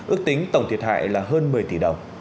ước tính tổng thiệt hại là hơn một mươi tỷ đồng